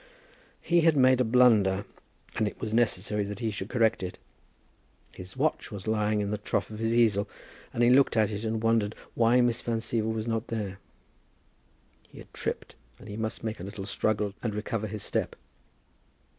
He had made a blunder, and it was necessary that he should correct it. His watch was lying in the trough of his easel, and he looked at it and wondered why Miss Van Siever was not there. He had tripped, and he must make a little struggle and recover his step.